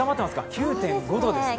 ９．５度ですね。